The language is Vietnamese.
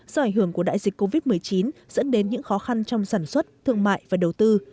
do ảnh hưởng của đại dịch covid một mươi chín dẫn đến những khó khăn trong sản xuất thương mại và đầu tư